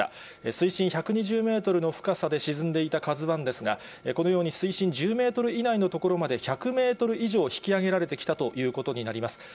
水深１２０メートルの深さで沈んでいたＫＡＺＵＩですが、このように水深１０メートル以内の所まで１００メートル以上引き揚げられてきたということになります。